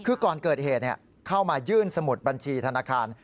คือก่อนเกิดเหตุเข้ามายื่นสมุดบัญชีธนาคาร